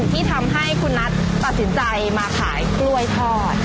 ที่ทำให้คุณนัทตัดสินใจมาขายกล้วยทอด